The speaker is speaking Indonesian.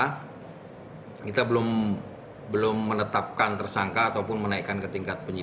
kita belum menetapkan tersangka ataupun menaikkan ketidakpun